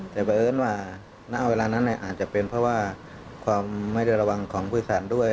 แต่เบอ้นว่าณอาจจะเป็นเพราะว่าความไม่ได้ระวังของผู้อาศัยด้วย